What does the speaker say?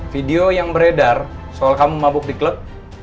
video yang beredar soal kamu mabuk di klub